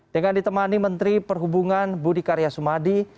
dengan ditemani menteri perhubungan budi karya sumadi